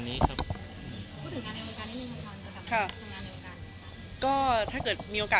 เรียกงานไปเรียบร้อยแล้ว